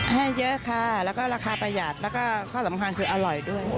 ให้เยอะค่ะแล้วก็ราคาประหยัดแล้วก็ข้อสำคัญคืออร่อยด้วย